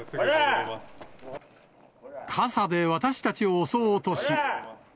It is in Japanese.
傘で私たちを襲おうとし。